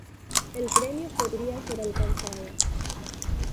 El premio podría ser alcanzado.